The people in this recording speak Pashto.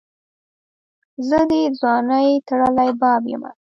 زه دي دځوانۍ ټړلي باب یمه